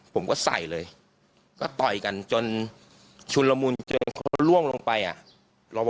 ผมก็ใส่เลยก็ต่อยกันจนชุนละมุนเจอเขาล่วงลงไปอ่ะ